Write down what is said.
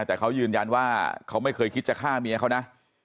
แต่เขายืนยันว่าเขาไม่เคยคิดจะฆ่าเมียเขานะ